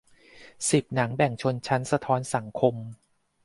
สิบ หนังแบ่งชนชั้น สะท้อนสังคม